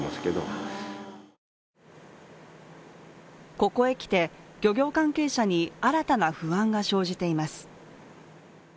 ここへきて、漁業関係者に新たな不安が生じています。